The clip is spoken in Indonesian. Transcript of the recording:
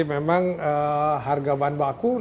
memang harga bahan baku